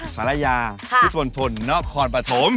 สาระยาธุดฐนถนนอบควันป่าถม